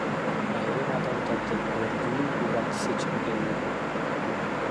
Айрым адамдардын өргүү убактысы чектелүү.